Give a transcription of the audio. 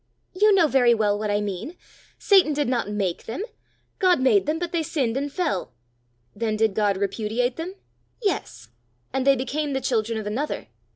"You know very well what I mean! Satan did not make them. God made them, but they sinned and fell." "Then did God repudiate them?" "Yes." "And they became the children of another?"